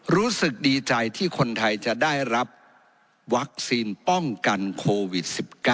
รู้สึกดีใจที่คนไทยจะได้รับวัคซีนป้องกันโควิด๑๙